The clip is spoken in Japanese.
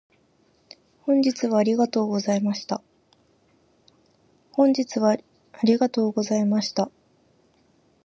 本日はありがとうございました。